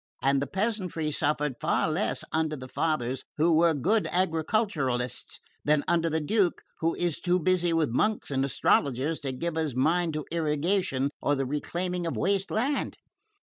And the peasantry suffered far less under the fathers, who were good agriculturists, than under the Duke, who is too busy with monks and astrologers to give his mind to irrigation or the reclaiming of waste land.